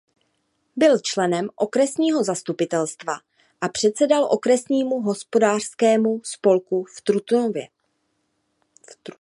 Byl členem okresního zastupitelstva a předsedal okresnímu hospodářskému spolku v Trutnově.